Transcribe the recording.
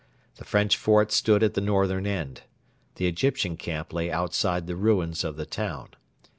The French fort stood at the northern end. The Egyptian camp lay outside the ruins of the town.